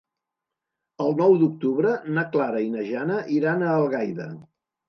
El nou d'octubre na Clara i na Jana iran a Algaida.